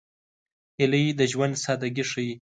هیلۍ د ژوند سادګي ښيي